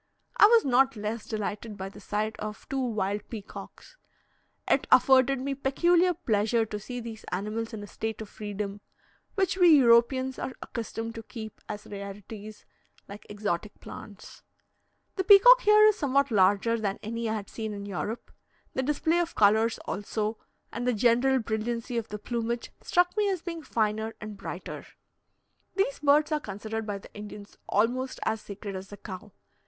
I was not less delighted by the sight of two wild peacocks. It afforded me peculiar pleasure to see these animals in a state of freedom, which we Europeans are accustomed to keep as rarities, like exotic plants. The peacock is here somewhat larger than any I had seen in Europe; the display of colours also, and the general brilliancy of the plumage, struck me as being finer and brighter. These birds are considered by the Indians almost as sacred as the cow.